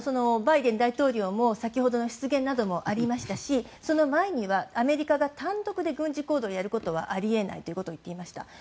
バイデン大統領も先ほどの失言もありましたしその前にはアメリカが単独で軍事行動をやることはあり得ないと言っていました。